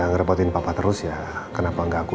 ngasihin papa terus ya kenapa gak aku